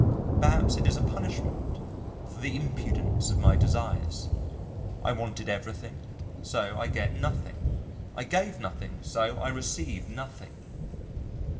Perhaps it is a punishment for the impudence of my desires. I wanted everything so I get nothing. I gave nothing so I receive nothing.